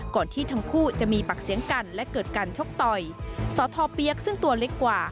ที่ทั้งคู่จะมีปากเสียงกันและเกิดการชกต่อยสอทอเปี๊ยกซึ่งตัวเล็กกว่า